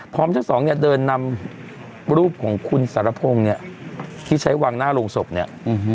ทั้งสองเนี่ยเดินนำรูปของคุณสารพงศ์เนี่ยที่ใช้วางหน้าโรงศพเนี่ย